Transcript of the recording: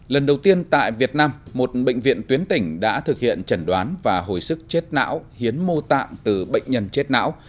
lần đầu tiên tại việt nam một bệnh viện tuyến tỉnh đã thực hiện trần đoán và hồi sức chết não hiến mô tạng từ bệnh nhân chết não